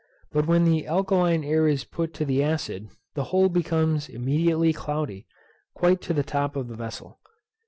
But when the alkaline air is put to the acid, the whole becomes immediately cloudy, quite to the top of the vessel.